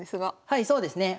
はいそうですね。